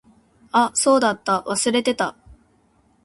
あ、そうだった。忘れてた。